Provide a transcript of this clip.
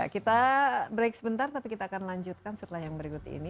kita break sebentar tapi kita akan lanjutkan setelah yang berikut ini